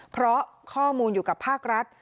เพราะข้อมูลอยู่กับภาครัฐ